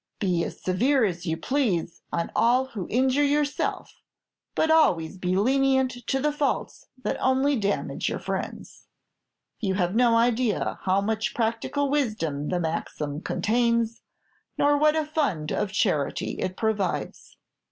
Be as severe as you please on all who injure yourself, but always be lenient to the faults that only damage your friends. You have no idea how much practical wisdom the maxim contains, nor what a fund of charity it provides."